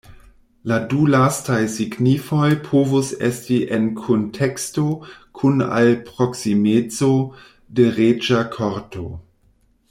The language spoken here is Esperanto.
La du lastaj signifoj povus esti en kunteksto kun al proksimeco de reĝa korto.